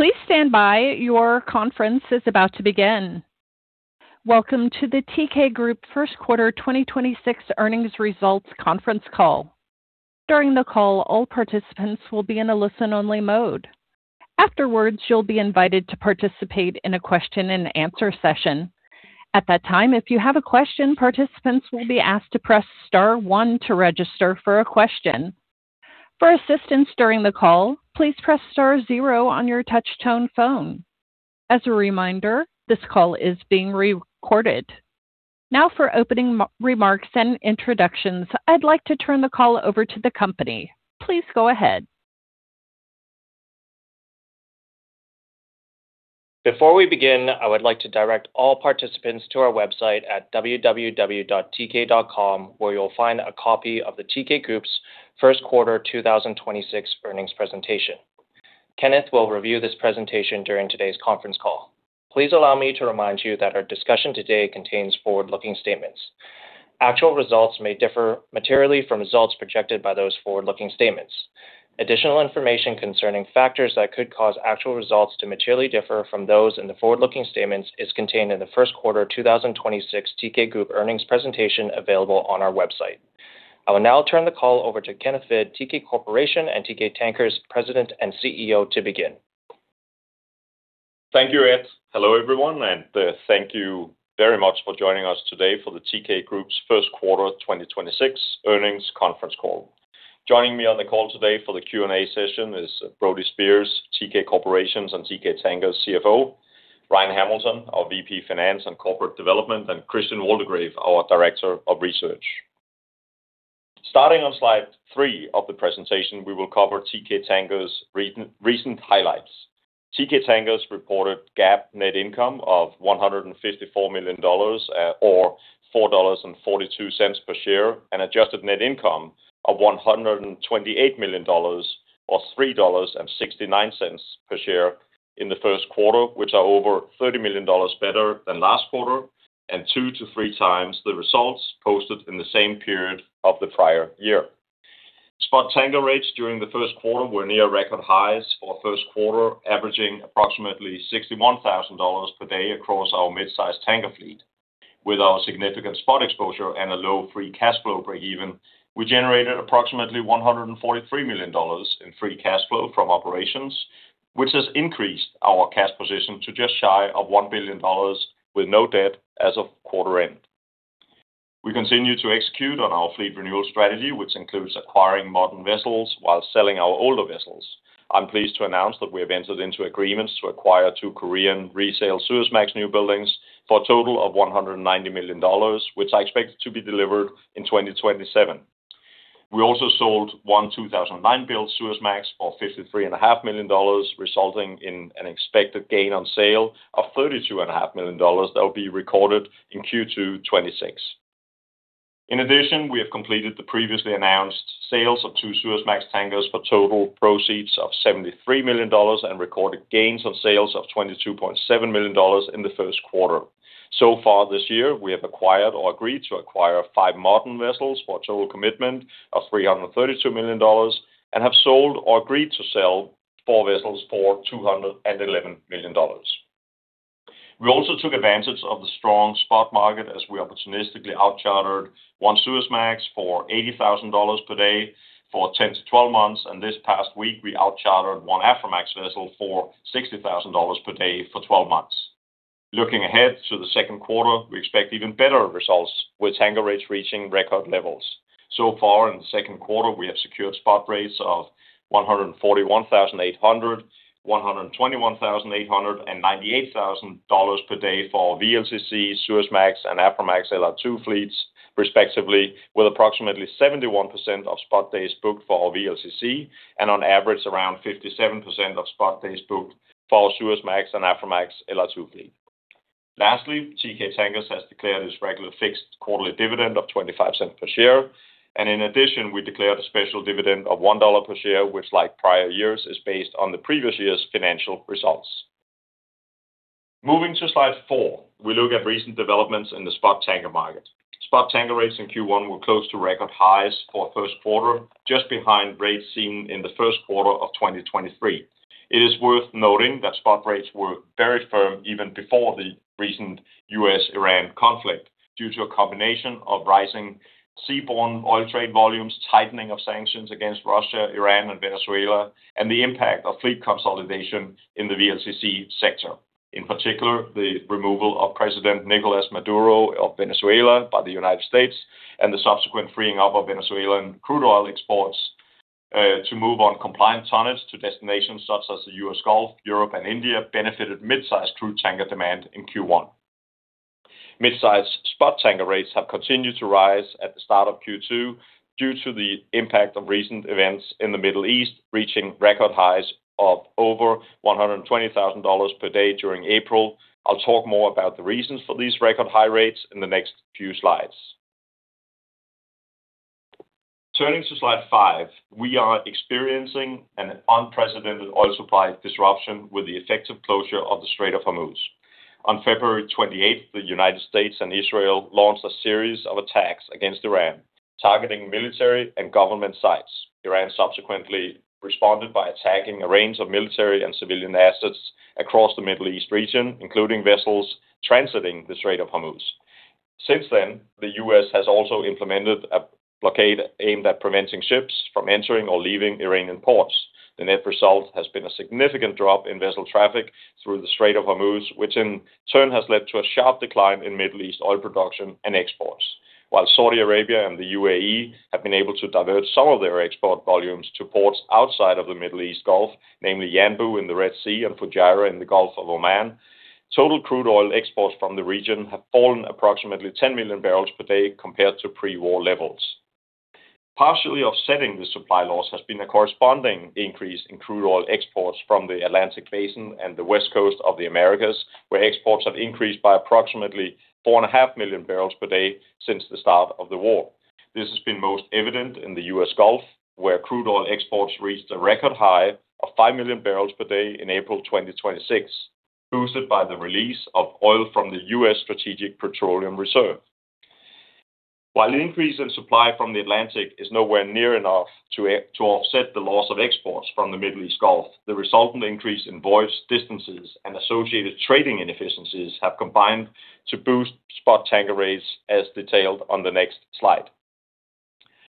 Welcome to the Teekay Group First Quarter 2026 Earnings Results Conference Call. During the call all participants will be in the listen only mode. Afterwards you'll be invited to participate in a question and answer session. At that time, if you have a question, participants will be asked to press star one to register for a question. For assistance during the call` please press star zero on your touch-tone phone. As a reminder, this call is being recorded. Now for opening remarks and introductions, I'd like to turn the call over to the company. Please go ahead. Before we begin, I would like to direct all participants to our website at www.teekay.com, where you'll find a copy of the Teekay Group's First Quarter 2026 Earnings presentation. Kenneth will review this presentation during today's conference call. Please allow me to remind you that our discussion today contains forward-looking statements. Actual results may differ materially from results projected by those forward-looking statements. Additional information concerning factors that could cause actual results to materially differ from those in the forward-looking statements is contained in the first quarter 2026 Teekay Group earnings presentation available on our website. I will now turn the call over to Kenneth Hvid, Teekay Corporation and Teekay Tankers President and CEO to begin. Thank you, Ed. Hello, everyone, and thank you very much for joining us today for the Teekay Group's First Quarter 2026 Earnings conference call. Joining me on the call today for the Q and A session is Brody Speers, Teekay Corporation and Teekay Tankers CFO, Ryan Hamilton, our VP Finance and Corporate Development, and Christian Waldegrave, our Director of Research. Starting on slide three of the presentation, we will cover Teekay Tankers recent highlights. Teekay Tankers reported GAAP net income of $154 million, or $4.42 per share, and adjusted net income of $128 million or $3.69 per share in the first quarter, which are over $30 million better than last quarter and two to three times the results posted in the same period of the prior year. Spot tanker rates during the first quarter were near record highs for first quarter, averaging approximately $61,000 per day across our mid-sized tanker fleet. With our significant spot exposure and a low free cash flow break-even, we generated approximately $143 million in free cash flow from operations, which has increased our cash position to just shy of $1 billion with no debt as of quarter end. We continue to execute on our fleet renewal strategy, which includes acquiring modern vessels while selling our older vessels. I'm pleased to announce that we have entered into agreements to acquire two Korean resale Suezmax newbuildings for a total of $190 million, which I expect to be delivered in 2027. We also sold one 2009-built Suezmax for $53.5 million, resulting in an expected gain on sale of $32.5 million dollars that will be recorded in Q2 2026. In addition, we have completed the previously announced sales of two Suezmax tankers for total proceeds of $73 million and recorded gains on sales of $22.7 million in the first quarter. Far this year, we have acquired or agreed to acquire five modern vessels for a total commitment of $332 million and have sold or agreed to sell four vessels for $211 million. We also took advantage of the strong spot market as we opportunistically outchartered one Suezmax for $80,000 per day for 10-12 months. This past week, we outchartered one Aframax vessel for $60,000 per day for 12 months. Looking ahead to the second quarter, we expect even better results with tanker rates reaching record levels. So far in the second quarter, we have secured spot rates of $141,800, $121,800, and $98,000 per day for VLCC, Suezmax, and Aframax LR2 fleets respectively, with approximately 71% of spot days booked for VLCC and on average around 57% of spot days booked for our Suezmax and Aframax LR2 fleet. Lastly, Teekay Tankers has declared its regular fixed quarterly dividend of $0.25 per share. In addition, we declared a special dividend of $1 per share, which like prior years, is based on the previous year's financial results. Moving to slide four, we look at recent developments in the spot tanker market. Spot tanker rates in Q1 were close to record highs for first quarter, just behind rates seen in the first quarter of 2023. It is worth noting that spot rates were very firm even before the recent U.S.-Iran conflict due to a combination of rising seaborne oil trade volumes, tightening of sanctions against Russia, Iran, and Venezuela, and the impact of fleet consolidation in the VLCC sector. In particular, the removal of President Nicolás Maduro of Venezuela by the United States and the subsequent freeing up of Venezuelan crude oil exports to move on compliant tonnage to destinations such as the U.S. Gulf, Europe, and India benefited mid-sized crude tanker demand in Q1. Mid-sized spot tanker rates have continued to rise at the start of Q2 due to the impact of recent events in the Middle East, reaching record highs of over $120,000 per day during April. I'll talk more about the reasons for these record high rates in the next few slides. Turning to slide five, we are experiencing an unprecedented oil supply disruption with the effective closure of the Strait of Hormuz. On February 28, the United States and Israel launched a series of attacks against Iran, targeting military and government sites. Iran subsequently responded by attacking a range of military and civilian assets across the Middle East region, including vessels transiting the Strait of Hormuz. Since then, the U.S. has also implemented a blockade aimed at preventing ships from entering or leaving Iranian ports. The net result has been a significant drop in vessel traffic through the Strait of Hormuz, which in turn has led to a sharp decline in Middle East oil production and exports. While Saudi Arabia and the UAE have been able to divert some of their export volumes to ports outside of the Middle East Gulf, namely Yanbu in the Red Sea and Fujairah in the Gulf of Oman, total crude oil exports from the region have fallen approximately 10 million bbl per day compared to pre-war levels. Partially offsetting the supply loss has been a corresponding increase in crude oil exports from the Atlantic Basin and the West Coast of the Americas, where exports have increased by approximately 4.5 million bbl per day since the start of the war. This has been most evident in the U.S. Gulf, where crude oil exports reached a record high of 5 million bbl per day in April 2026, boosted by the release of oil from the U.S. Strategic Petroleum Reserve. While an increase in supply from the Atlantic is nowhere near enough to offset the loss of exports from the Middle East Gulf, the resultant increase in voyage distances and associated trading inefficiencies have combined to boost spot tanker rates as detailed on the next slide.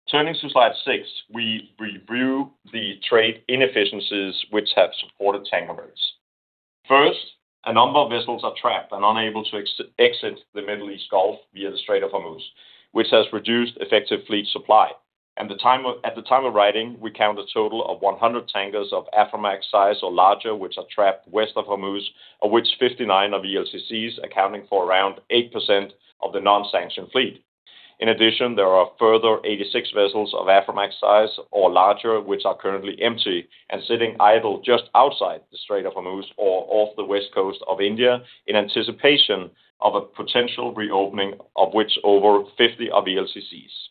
Turning to slide six, we review the trade inefficiencies which have supported tanker rates. First, a number of vessels are trapped and unable to exit the Middle East Gulf via the Strait of Hormuz, which has reduced effective fleet supply. At the time of writing, we count a total of 100 tankers of Aframax size or larger, which are trapped west of Hormuz, of which 59 are VLCCs, accounting for around 8% of the non-sanctioned fleet. In addition, there are a further 86 vessels of Aframax size or larger, which are currently empty and sitting idle just outside the Strait of Hormuz or off the west coast of India in anticipation of a potential reopening, of which over 50 are VLCCs.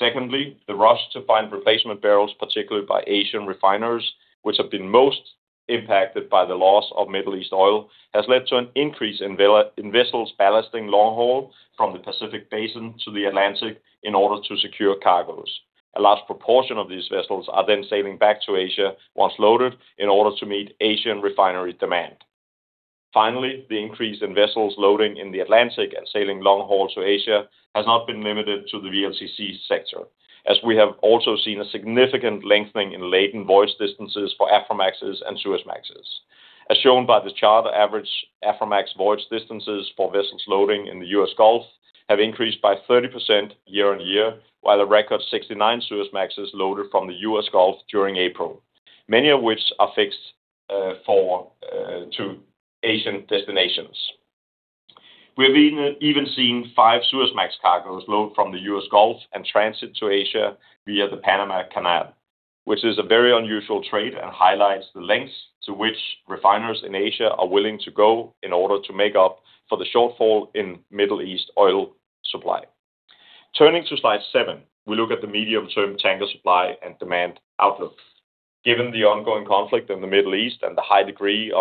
Secondly, the rush to find replacement barrels, particularly by Asian refiners, which have been most impacted by the loss of Middle East oil, has led to an increase in vessels ballasting long haul from the Pacific Basin to the Atlantic in order to secure cargoes. A large proportion of these vessels are then sailing back to Asia once loaded in order to meet Asian refinery demand. Finally, the increase in vessels loading in the Atlantic and sailing long haul to Asia has not been limited to the VLCC sector, as we have also seen a significant lengthening in laden voyage distances for Aframaxes and Suezmaxes. As shown by this chart, the average Aframax voyage distances for vessels loading in the U.S. Gulf have increased by 30% year on year, while a record 69 Suezmaxes loaded from the U.S. Gulf during April, many of which are fixed to Asian destinations. We've even seen five Suezmax cargoes load from the U.S. Gulf and transit to Asia via the Panama Canal, which is a very unusual trade and highlights the lengths to which refiners in Asia are willing to go in order to make up for the shortfall in Middle East oil supply. Turning to slide seven, we look at the medium-term tanker supply and demand outlook. Given the ongoing conflict in the Middle East and the high degree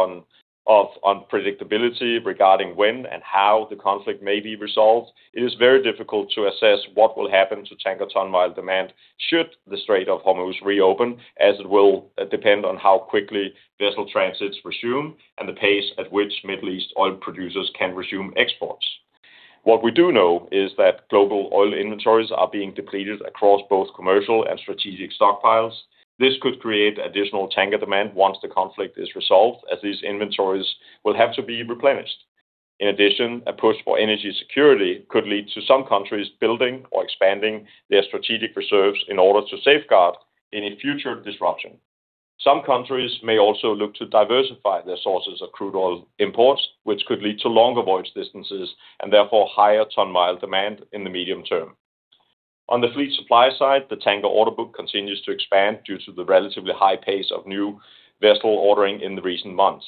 of unpredictability regarding when and how the conflict may be resolved, it is very difficult to assess what will happen to tanker ton-mile demand should the Strait of Hormuz reopen, as it will depend on how quickly vessel transits resume and the pace at which Middle East oil producers can resume exports. What we do know is that global oil inventories are being depleted across both commercial and strategic stockpiles. This could create additional tanker demand once the conflict is resolved, as these inventories will have to be replenished. In addition, a push for energy security could lead to some countries building or expanding their strategic reserves in order to safeguard any future disruption. Some countries may also look to diversify their sources of crude oil imports, which could lead to longer voyage distances and therefore higher ton-mile demand in the medium term. On the fleet supply side, the tanker order book continues to expand due to the relatively high pace of new vessel ordering in the recent months.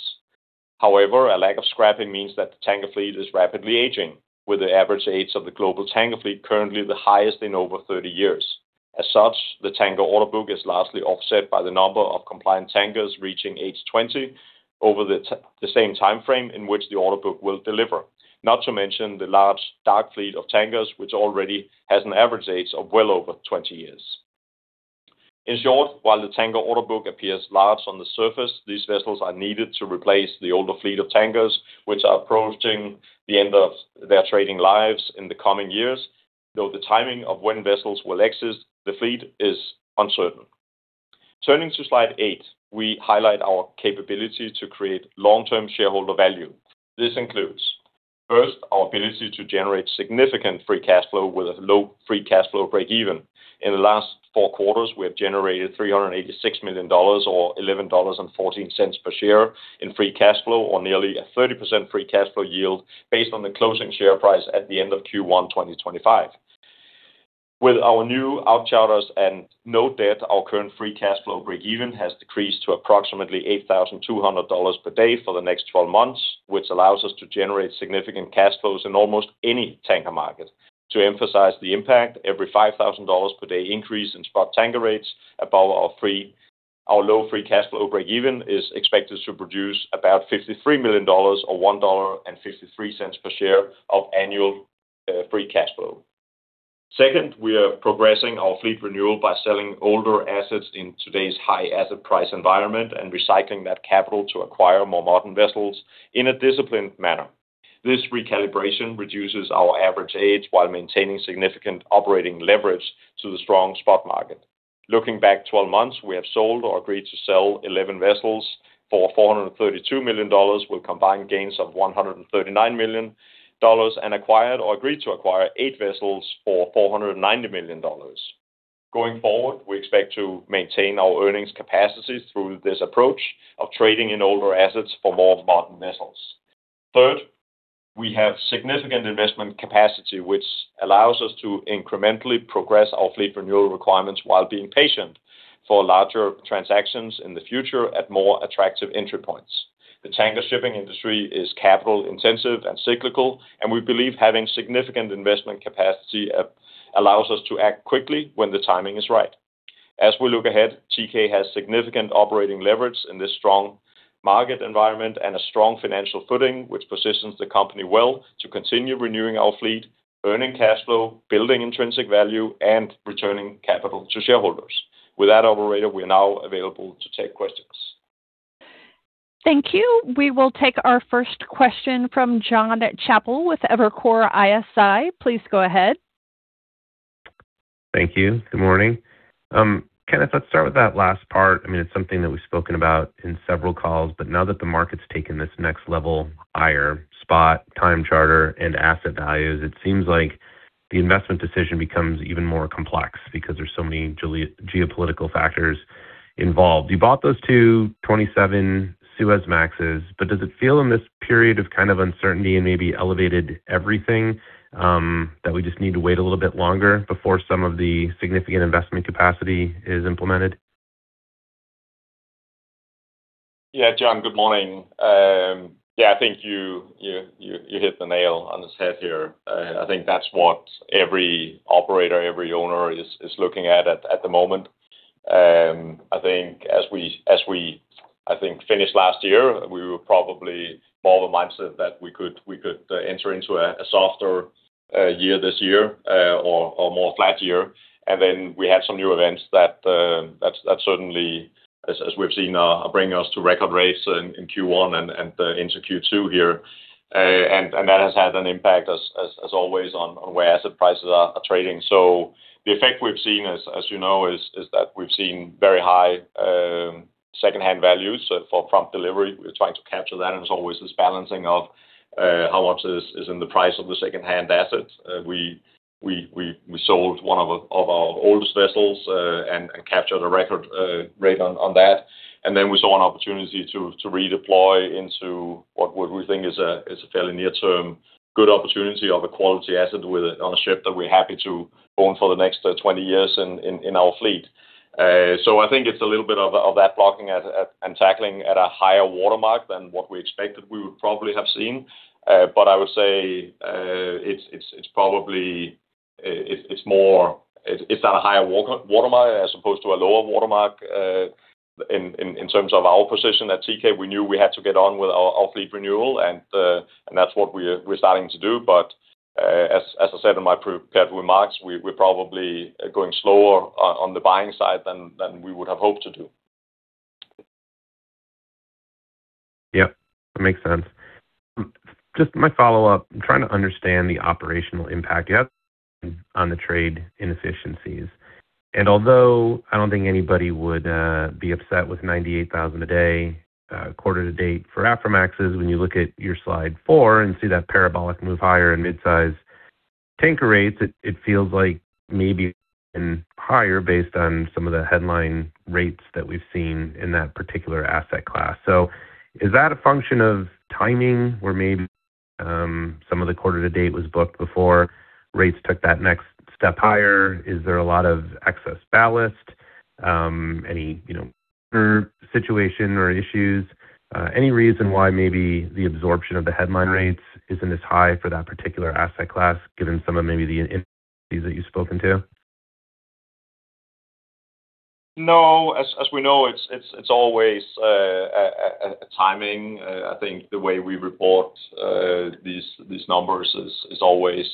However, a lack of scrapping means that the tanker fleet is rapidly aging, with the average age of the global tanker fleet currently the highest in over 30 years. As such, the tanker order book is largely offset by the number of compliant tankers reaching age 20 over the same timeframe in which the order book will deliver. Not to mention the large dark fleet of tankers, which already has an average age of well over 20 years. In short, while the tanker order book appears large on the surface, these vessels are needed to replace the older fleet of tankers, which are approaching the end of their trading lives in the coming years, though the timing of when vessels will exit the fleet is uncertain. Turning to slide eight, we highlight our capability to create long-term shareholder value. This includes, first, our ability to generate significant free cash flow with a low free cash flow breakeven. In the last four quarters, we have generated $386 million or $11.14 per share in free cash flow, or nearly a 30% free cash flow yield based on the closing share price at the end of Q1 2025. With our new outcharters and no debt, our current free cash flow breakeven has decreased to approximately $8,200 per day for the next 12 months, which allows us to generate significant cash flows in almost any tanker market. To emphasize the impact, every $5,000 per day increase in spot tanker rates above our low free cash flow breakeven is expected to produce about $53 million or $1.53 per share of annual free cash flow. Second, we are progressing our fleet renewal by selling older assets in today's high asset price environment and recycling that capital to acquire more modern vessels in a disciplined manner. This recalibration reduces our average age while maintaining significant operating leverage to the strong spot market. Looking back 12 months, we have sold or agreed to sell 11 vessels for $432 million, with combined gains of $139 million, and acquired or agreed to acquire eight vessels for $490 million. Going forward, we expect to maintain our earnings capacity through this approach of trading in older assets for more modern vessels. Third, we have significant investment capacity, which allows us to incrementally progress our fleet renewal requirements while being patient for larger transactions in the future at more attractive entry points. The tanker shipping industry is capital-intensive and cyclical, and we believe having significant investment capacity, allows us to act quickly when the timing is right. As we look ahead, Teekay has significant operating leverage in this strong market environment and a strong financial footing, which positions the company well to continue renewing our fleet, earning cash flow, building intrinsic value, and returning capital to shareholders. With that, operator, we are now available to take questions. Thank you. We will take our first question from Jonathan Chappell with Evercore ISI. Please go ahead. Thank you. Good morning. Kenneth, let's start with that last part. I mean, it's something that we've spoken about in several calls, now that the market's taken this next level higher spot, time charter, and asset values, it seems like the investment decision becomes even more complex because there's so many geopolitical factors involved. You bought those two 2027 Suezmaxes, does it feel in this period of kind of uncertainty and maybe elevated everything, that we just need to wait a little bit longer before some of the significant investment capacity is implemented? Yeah. John, good morning. Yeah, I think you hit the nail on the head here. I think that's what every operator, every owner is looking at at the moment. I think as we, I think, finished last year, we were probably more of a mindset that we could enter into a softer year this year or more flat year. We had some new events that that's certainly as we've seen bring us to record rates in Q1 and into Q2 here. That has had an impact as always on where asset prices are trading. The effect we've seen as you know, is that we've seen very high secondhand values for prompt delivery. We're trying to capture that. It's always this balancing of how much is in the price of the secondhand asset. We sold one of our oldest vessels and captured a record rate on that. Then we saw an opportunity to redeploy into what we think is a fairly near-term good opportunity of a quality asset on a ship that we're happy to own for the next 20 years in our fleet. I think it's a little bit of that blocking and tackling at a higher watermark than what we expected we would probably have seen. I would say it's probably it's at a higher watermark as opposed to a lower watermark. In terms of our position at Teekay, we knew we had to get on with our fleet renewal, and that's what we're starting to do. As I said in my pre-prepared remarks, we're probably going slower on the buying side than we would have hoped to do. Yeah, that makes sense. Just my follow-up, I'm trying to understand the operational impact you have on the trade inefficiencies. Although I don't think anybody would be upset with $98,000 a day quarter to date for Aframaxes, when you look at your slide four and see that parabolic move higher in mid-size tanker rates, it feels like maybe even higher based on some of the headline rates that we've seen in that particular asset class. Is that a function of timing, where maybe some of the quarter to date was booked before rates took that next step higher? Is there a lot of excess ballast? Any, you know, curve situation or issues? Any reason why maybe the absorption of the headline rates isn't as high for that particular asset class? No. As we know, it's always a timing. I think the way we report these numbers is always,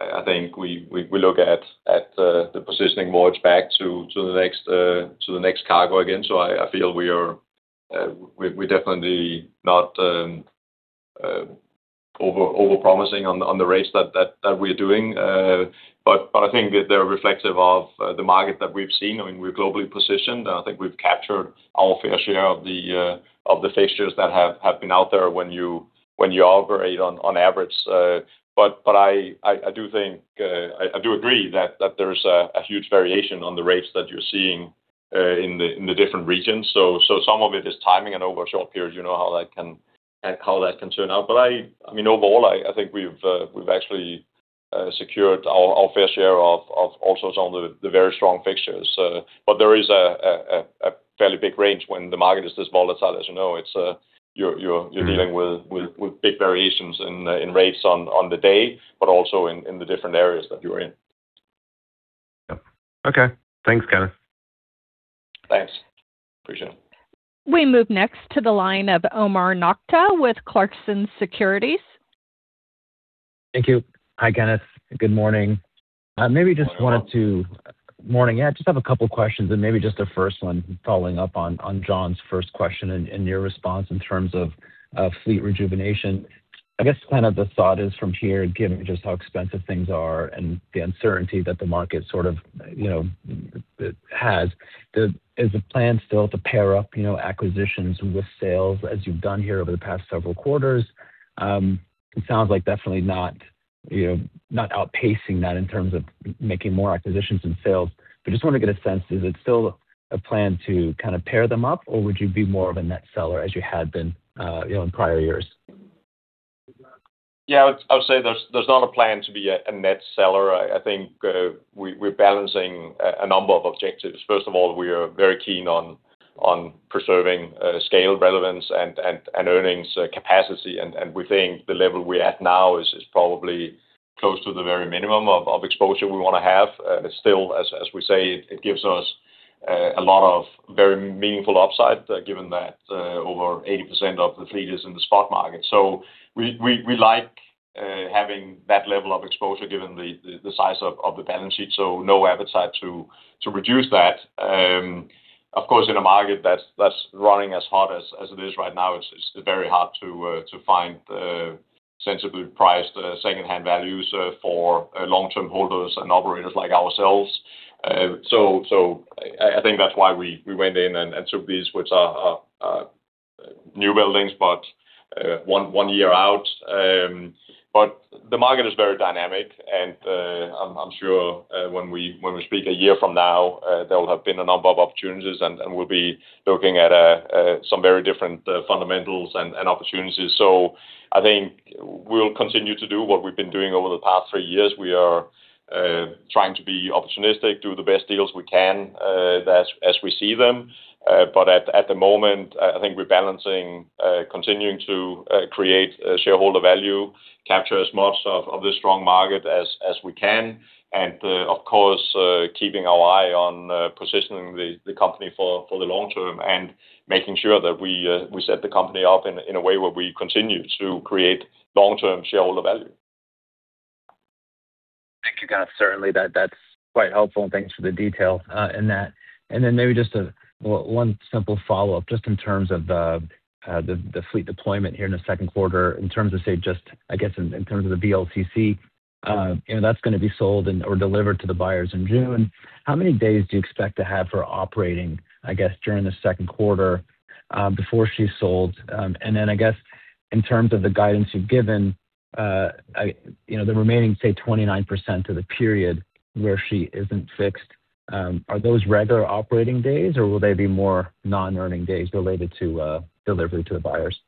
I think we look at the positioning voyage back to the next cargo again. I feel we are definitely not overpromising on the rates that we're doing. I think that they're reflective of the market that we've seen. I mean, we're globally positioned, and I think we've captured our fair share of the fixtures that have been out there when you operate on average. I do think, I do agree that there's a huge variation on the rates that you're seeing in the different regions. Some of it is timing. Over short periods, you know how that can turn out. I mean, overall, I think we've actually secured our fair share of also some of the very strong fixtures. There is a fairly big range when the market is this volatile. As you know, it's, you're dealing with big variations in rates on the day, but also in the different areas that you're in. Okay. Thanks, Kenneth. Thanks. Appreciate it. We move next to the line of Omar Nokta with Clarksons Securities. Thank you. Hi, Kenneth. Good morning. Morning, Omar. Morning, yeah. Just have a couple questions, and maybe just a first one following up on John's first question and your response in terms of fleet rejuvenation. I guess kind of the thought is from here, given just how expensive things are and the uncertainty that the market sort of, you know, it has, is the plan still to pair up, you know, acquisitions with sales as you've done here over the past several quarters? It sounds like definitely not, you know, not outpacing that in terms of making more acquisitions than sales. Just wanna get a sense, is it still a plan to kind of pair them up, or would you be more of a net seller as you had been, you know, in prior years? I would say there's not a plan to be a net seller. I think we're balancing a number of objectives. First of all, we are very keen on preserving scale relevance and earnings capacity, and we think the level we're at now is probably close to the very minimum of exposure we want to have. It's still, as we say, it gives us a lot of very meaningful upside given that over 80% of the fleet is in the spot market. We like having that level of exposure given the size of the balance sheet, so no appetite to reduce that. Of course, in a market that's running as hot as it is right now, it's very hard to find sensibly priced secondhand values for long-term holders and operators like ourselves. I think that's why we went in and took these, which are new buildings, but one year out. The market is very dynamic and I'm sure when we speak a year from now, there will have been a number of opportunities and we'll be looking at some very different fundamentals and opportunities. I think we'll continue to do what we've been doing over the past three years. We are trying to be opportunistic, do the best deals we can as we see them. At the moment, I think we're balancing continuing to create shareholder value, capture as much of the strong market as we can, and of course, keeping our eye on positioning the company for the long term, and making sure that we set the company up in a way where we continue to create long-term shareholder value. Thank you, Kenneth. Certainly that's quite helpful, thanks for the detail in that. Then maybe just one simple follow-up, just in terms of the fleet deployment here in the second quarter, in terms of, say, just I guess in terms of the VLCC, you know, that's gonna be sold and or delivered to the buyers in June. How many days do you expect to have for operating, I guess, during the second quarter, before she's sold? Then I guess in terms of the guidance you've given, you know, the remaining, say, 29% of the period where she isn't fixed, are those regular operating days, or will they be more non-earning days related to delivery to the buyers?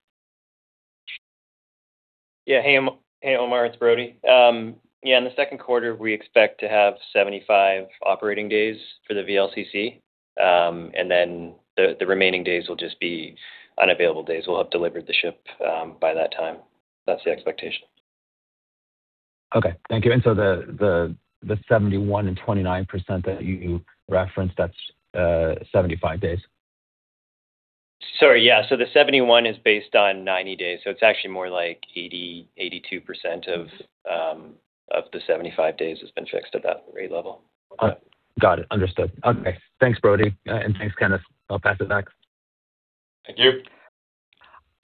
Hey, Omar. It's Brody. In the second quarter, we expect to have 75 operating days for the VLCC. The remaining days will just be unavailable days. We'll have delivered the ship by that time. That's the expectation. Okay. Thank you. The 71 and 29% that you referenced, that's 75 days? Sorry, yeah. The 71 is based on 90 days, so it's actually more like 80%-82% of the 75 days has been fixed at that rate level. Got it. Understood. Okay. Thanks, Brody, and thanks, Kenneth. I'll pass it back. Thank you.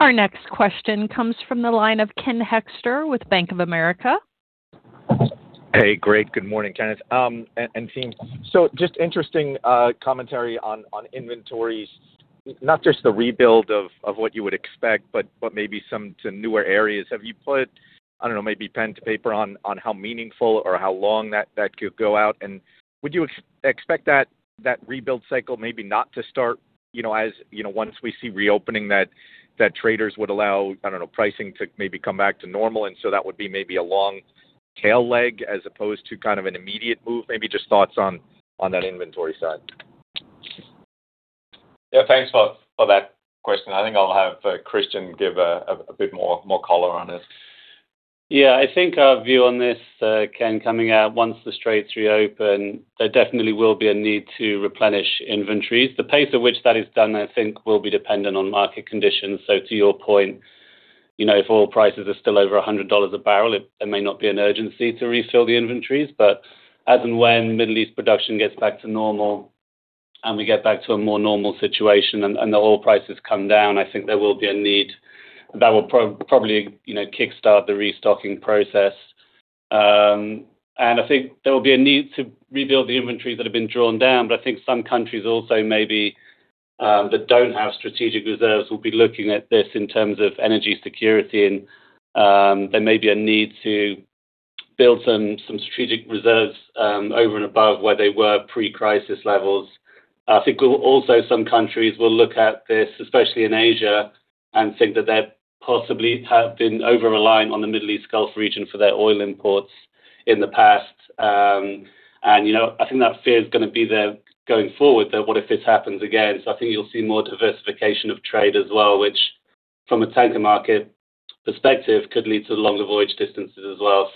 Our next question comes from the line of Ken Hoexter with Bank of America. Hey, great. Good morning, Kenneth and team. Just interesting commentary on inventories, not just the rebuild of what you would expect, but maybe some to newer areas. Have you put, I don't know, maybe pen to paper on how meaningful or how long that could go out? Would you expect that rebuild cycle maybe not to start, you know, as, you know, once we see reopening that traders would allow, I don't know, pricing to maybe come back to normal, that would be maybe a long tail leg as opposed to kind of an immediate move? Maybe just thoughts on that inventory side. Yeah. Thanks for that question. I think I'll have Christian give a bit more color on it. Yeah. I think our view on this, Ken, coming out once the straits reopen, there definitely will be a need to replenish inventories. The pace at which that is done, I think will be dependent on market conditions. To your point, you know, if oil prices are still over $100 a barrel, it may not be an urgency to refill the inventories. As and when Middle East production gets back to normal and we get back to a more normal situation and the oil prices come down, I think there will be a need that will probably, you know, kickstart the restocking process. I think there will be a need to rebuild the inventories that have been drawn down. I think some countries also maybe that don't have strategic reserves will be looking at this in terms of energy security and there may be a need to build some strategic reserves over and above where they were pre-crisis levels. I think we'll also some countries will look at this, especially in Asia, and think that they possibly have been over-reliant on the Middle East Gulf region for their oil imports in the past. You know, I think that fear is gonna be there going forward that what if this happens again? I think you'll see more diversification of trade as well. From a tanker market perspective could lead to longer voyage distances as well.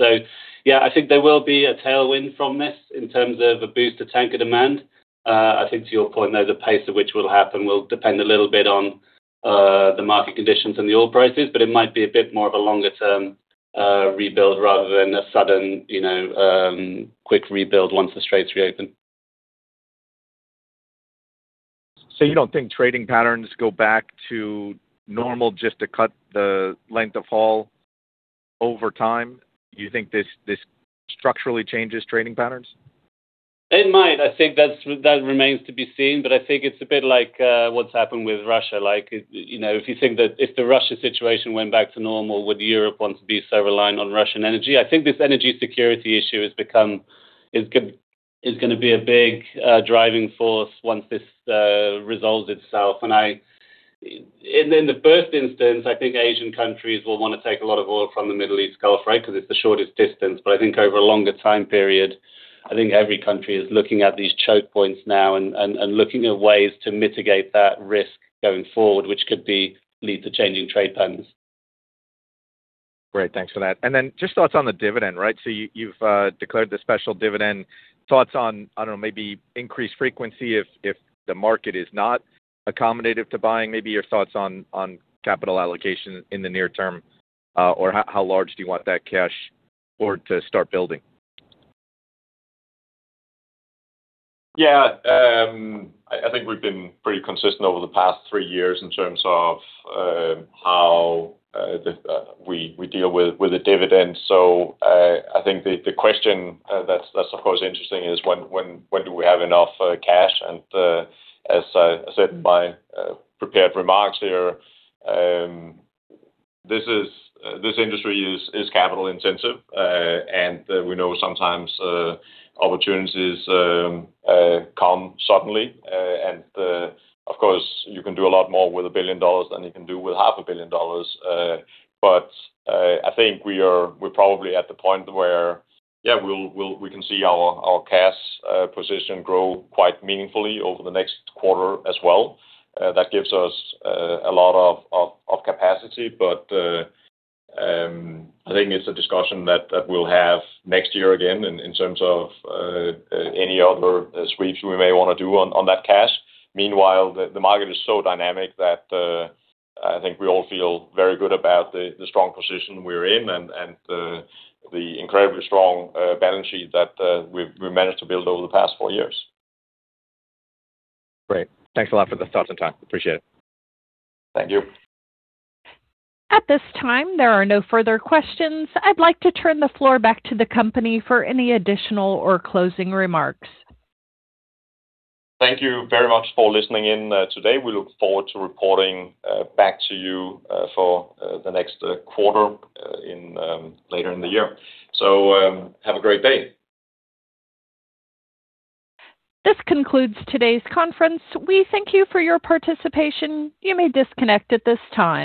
Yeah, I think there will be a tailwind from this in terms of a boost to tanker demand. I think to your point, though, the pace at which will happen will depend a little bit on the market conditions and the oil prices, but it might be a bit more of a longer term rebuild rather than a sudden, you know, quick rebuild once the straits reopen. You don't think trading patterns go back to normal just to cut the length of haul over time? You think this structurally changes trading patterns? It might. I think that remains to be seen, but I think it's a bit like what's happened with Russia. Like, you know, if you think that if the Russia situation went back to normal, would Europe want to be so reliant on Russian energy? I think this energy security issue is gonna be a big driving force once this resolves itself. In the first instance, I think Asian countries will wanna take a lot of oil from the Middle East Gulf, right? Because it's the shortest distance. I think over a longer time period, I think every country is looking at these choke points now and looking at ways to mitigate that risk going forward, which could be lead to changing trade patterns. Great. Thanks for that. Just thoughts on the dividend, right? You've declared the special dividend. Thoughts on, I don't know, maybe increased frequency if the market is not accommodative to buying, maybe your thoughts on capital allocation in the near term, or how large do you want that cash board to start building? I think we've been pretty consistent over the past three years in terms of how we deal with the dividend. I think the question that's of course interesting is when do we have enough cash? As I said in my prepared remarks here, this industry is capital-intensive. We know sometimes opportunities come suddenly. Of course, you can do a lot more with $1 billion than you can do with half a billion dollars. I think we're probably at the point where we can see our cash position grow quite meaningfully over the next quarter as well. That gives us a lot of capacity. I think it's a discussion that we'll have next year again in terms of any other sweeps we may wanna do on that cash. Meanwhile, the market is so dynamic that I think we all feel very good about the strong position we're in and the incredibly strong balance sheet that we've managed to build over the past four years. Great. Thanks a lot for the thoughts and time. Appreciate it. Thank you. At this time, there are no further questions. I'd like to turn the floor back to the company for any additional or closing remarks. Thank you very much for listening in today. We look forward to reporting back to you for the next quarter in later in the year. Have a great day. This concludes today's conference. We thank you for your participation. You may disconnect at this time.